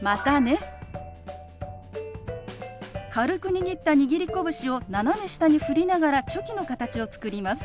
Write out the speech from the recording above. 軽く握った握り拳を斜め下に振りながらチョキの形を作ります。